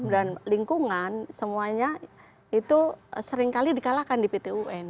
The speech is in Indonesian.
dan lingkungan semuanya itu seringkali dikalahkan di pt un